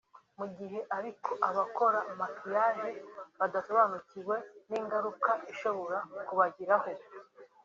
Mu gihe ariko abakora ‘macquillage’badasobanukiwe n’ingaruka ishobora kubagiraho